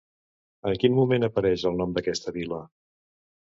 En quin moment apareix el nom d'aquesta vila?